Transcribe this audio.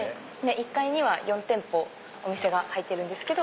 １階には４店舗お店が入ってるんですけど。